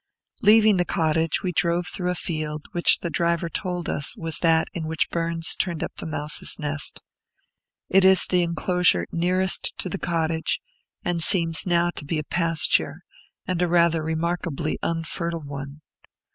Leaving the cottage, we drove through a field, which the driver told us was that in which Burns turned up the mouse's nest. It is the enclosure nearest to the cottage, and seems now to be a pasture, and a rather remarkably unfertile one.